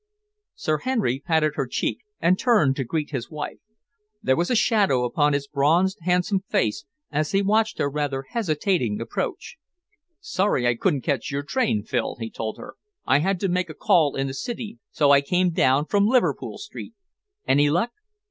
Sir Henry patted her cheek and turned to greet his wife. There was a shadow upon his bronzed, handsome face as he watched her rather hesitating approach. "Sorry I couldn't catch your train, Phil," he told her. "I had to make a call in the city so I came down from Liverpool Street. Any luck?"